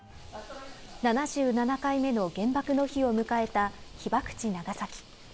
７７回目の原爆の日を迎えた被爆地・ナガサキ。